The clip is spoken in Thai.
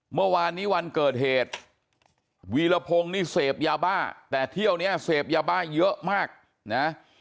เมื่อวานนี้วันเกิดเหตุวีรพงศ์นี่เสพยาบ้าแต่เที่ยวนี้เสพยาบ้าเยอะมากนะ